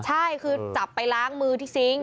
ใช่คือจับไปล้างมือที่ซิง